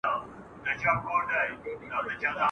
خو زموږ پر کلي د غمونو بارانونه اوري !.